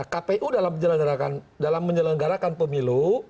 kpu dalam menyelenggarakan pemilu